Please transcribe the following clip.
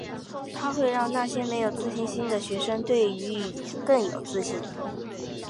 它会让那些没有自信心的学生对于语言更有信心。